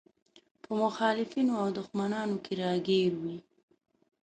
په مخالفينو او دښمنانو کې راګير وي.